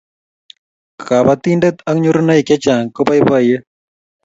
kabatindet ak nyoruniaik chechang ko baibaiet